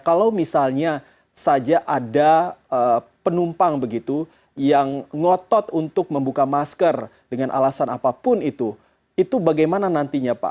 kalau misalnya saja ada penumpang begitu yang ngotot untuk membuka masker dengan alasan apapun itu itu bagaimana nantinya pak